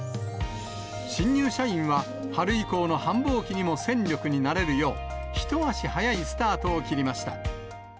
新入社員は、春以降の繁忙期にも戦力になれるよう、一足早いスタートを切りました。